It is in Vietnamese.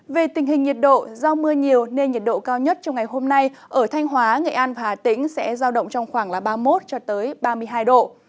về tình hình nhiệt độ do mưa nhiều nên nhiệt độ cao nhất trong ngày hôm nay ở thanh hóa nghệ an và hà tĩnh sẽ giao động trong khoảng ba mươi một ba mươi hai độ